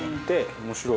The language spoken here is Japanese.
面白い。